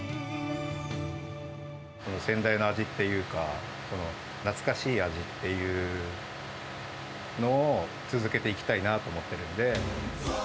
先代の味っていうか、その懐かしい味っていうのを続けていきたいなと思ってるんで。